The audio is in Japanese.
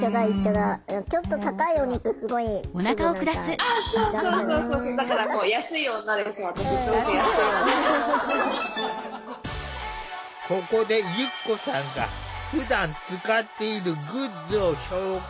あっそうそうそうだからここでゆっこさんがふだん使っているグッズを紹介！